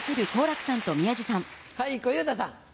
はい小遊三さん。